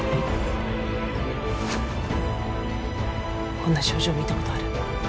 こんな症状見たことある？